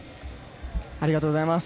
ありがとうございます。